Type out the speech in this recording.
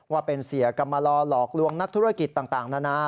ว่าเป็นเสียกรรมลอหลอกลวงนักธุรกิจต่างนานา